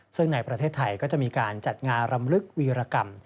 ซึ่งในประเทศไทยก็จะมีการจัดงานรำลึกวีรกรรม